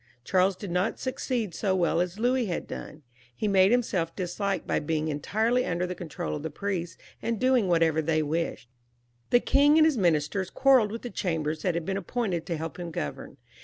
Charles did not succeed so well as Louis had done. He made himseK disliked by being entirely under the control of the priests, and doing whatever they wished. The king and his ministers quarrelled with the Cham bers who had been appointed to help him govern.